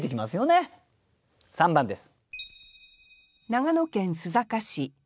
３番です。